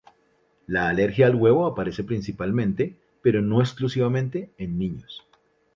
La alergia al huevo aparece principalmente, pero no exclusivamente, en niños.